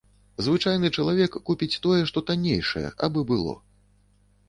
Звычайны чалавек купіць тое, што таннейшае, абы было.